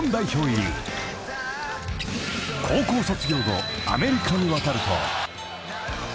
［高校卒業後アメリカに渡ると］